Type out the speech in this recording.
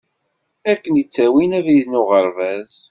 Akken i ttawin abrid n uɣerbaz.